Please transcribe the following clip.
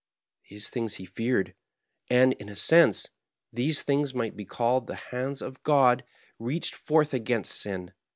These things he feared; and, in a sense, these things might be called the hands of God reached forth against sin.